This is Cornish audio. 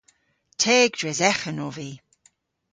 Teg dres eghen ov vy.